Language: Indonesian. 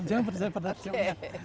jangan percaya pada shio nya